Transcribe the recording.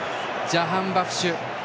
ジャハンバフシュ。